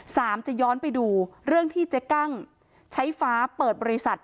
จะย้อนไปดูเรื่องที่เจ๊กั้งใช้ฟ้าเปิดบริษัท